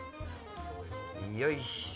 よいしょ。